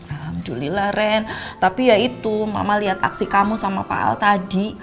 alhamdulillah ren tapi ya itu mama liat aksi kamu sama paal tadi